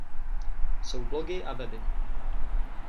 Jsou blogy a weby.